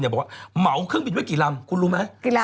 เมาเครื่องบินเวลากี่ลำคุณรู้ไหม